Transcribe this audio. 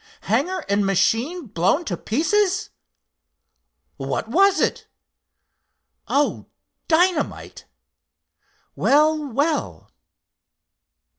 Hangar and machine blown to pieces! What was it? Oh, dynamite! Well! well!"